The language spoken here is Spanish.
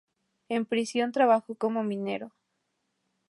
En prisión trabajo como minero.